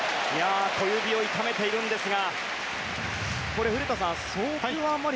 小指を痛めているんですが。